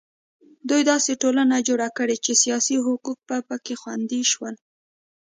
دوی داسې ټولنه جوړه کړه چې سیاسي حقوق په کې خوندي شول.